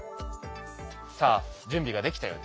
さあ準備ができたようですね。